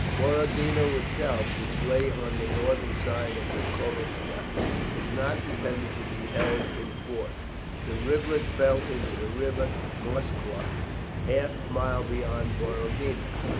Borodino itself which lay on the northern side of the Kolocza was not intended to be held in force. The rivulet fell into the river Moskwa half a mile beyond Borodino.